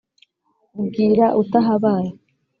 Ubwira utahabaye